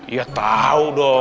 ya tahu dong